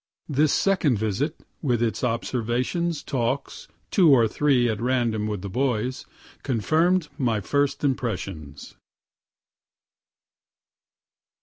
This second visit, with its observations, talks, (two or three at random with the boys,) confirm'd my first impressions.